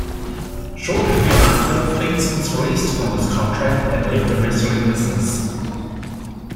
Shortly thereafter, Biggs was released from his contract and left the wrestling business.